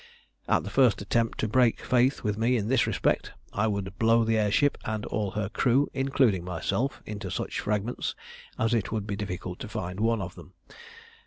"At the first attempt to break faith with me in this respect I would blow the air ship and all her crew, including myself, into such fragments as it would be difficult to find one of them.